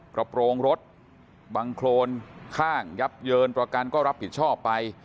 กระโปรงรถบังโครนข้างยับเยินประกันก็รับผิดชอบไป